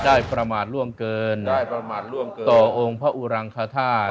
ประมาทล่วงเกินได้ประมาทล่วงเกินต่อองค์พระอุรังคธาตุ